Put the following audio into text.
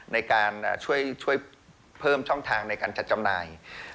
ในการช่วยเพิ่มช่องทางในการจัดจำหน่าย